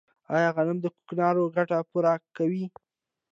آیا غنم د کوکنارو ګټه پوره کوي؟